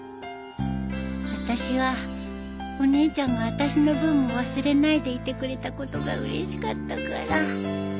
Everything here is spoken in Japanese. あたしはお姉ちゃんがあたしの分も忘れないでいてくれたことがうれしかったから